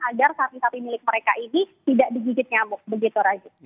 agar sapi sapi milik mereka ini tidak digigit nyamuk begitu rajin